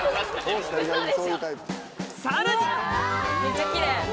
さらに！